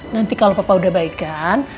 nanti kalau papa udah baik kan